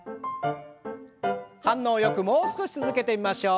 反応よくもう少し続けてみましょう。